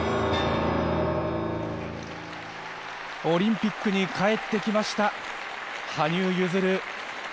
オリンピックに帰ってきました羽生結弦。